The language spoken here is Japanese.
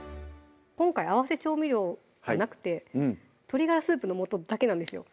今回合わせ調味料じゃなくて鶏ガラスープの素だけなんですよ